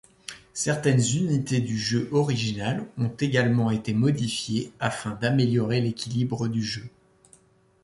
Certaines unités du jeu original ont également été modifiées afin d'améliorer l'équilibre du jeu.